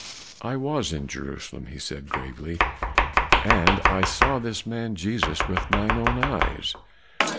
"I was in Jerusalem," he said gravely, "and I saw this man Jesus with mine own eyes."